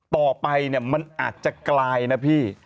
ต่อไปเนี่ยมันอาจจะกลายนะพี่